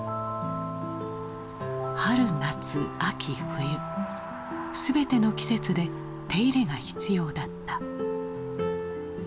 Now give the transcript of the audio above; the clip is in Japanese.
春夏秋冬全ての季節で手入れが必要だった。